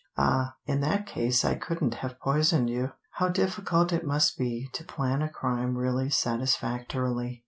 Ah, in that case I couldn't have poisoned you! How difficult it must be to plan a crime really satisfactorily.